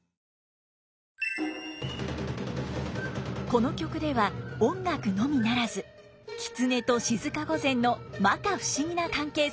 この曲では音楽のみならず狐と静御前のまか不思議な関係性も注目です。